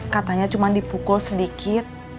katanya cuma dipukul sedikit